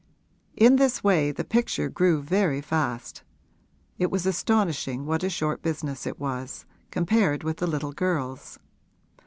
In this way the picture grew very fast; it was astonishing what a short business it was, compared with the little girl's.